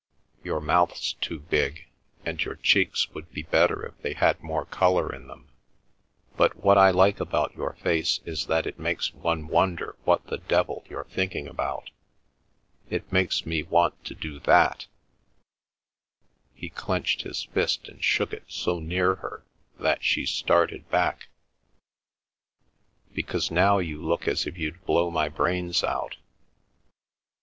Your mouth's too big, and your cheeks would be better if they had more colour in them. But what I like about your face is that it makes one wonder what the devil you're thinking about—it makes me want to do that—" He clenched his fist and shook it so near her that she started back, "because now you look as if you'd blow my brains out.